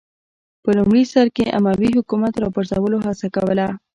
په لومړي سر کې اموي حکومت راپرځولو هڅه کوله